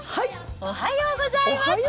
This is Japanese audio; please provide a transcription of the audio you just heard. おはようございます。